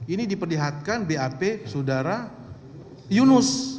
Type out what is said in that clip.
ini diperlihatkan bap saudara yunus